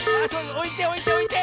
おいておいておいて！